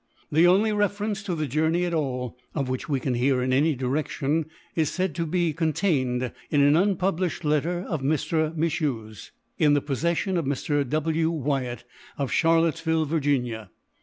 The only reference to the journey at all, of which we can hear in any direction, is said to be contained in an unpublished letter of M. Michau's, in the possession of Mr. W. Wyatt, of Charlottesville, Virginia.